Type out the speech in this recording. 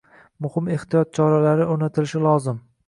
Muhim ehtiyot choralari oʻrnatilishi lozim